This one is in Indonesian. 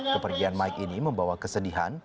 kepergian mike ini membawa kesedihan